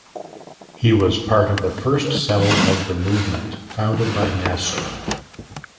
He was part of the first cell of the movement founded by Nasser.